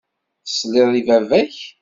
Tesliḍ i baba-k.